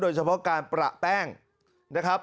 โดยเฉพาะการประแป้งนะครับ